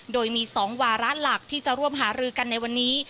โดยมี๒วาระหลักที่จะร่วมหารือกันในวันนี้